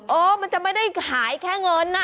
เออมันจะไม่ได้หายแค่เงินน่ะ